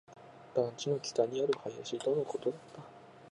団地の北にある林のことだった